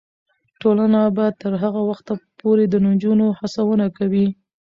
ټولنه به تر هغه وخته پورې د نجونو هڅونه کوي.